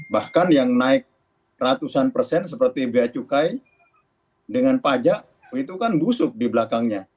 bahkan yang naik ratusan persen seperti biaya cukai dengan pajak itu kan busuk di belakangnya